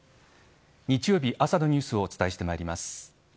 日曜日、朝のニュースをお伝えしてまいります。